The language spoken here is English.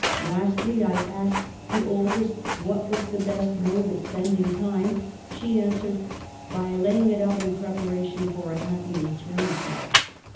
Lastly, I asked the oldest what was the best BABYHOOD. 35 mode of spending time ; she answered, ' By lay ing it out in preparation for a happy eternity.'